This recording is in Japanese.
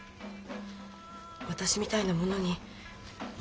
私みたいな者に。